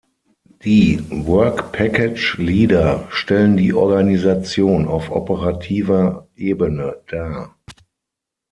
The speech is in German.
Die Work Package Leader stellen die Organisation auf operativer Ebene dar.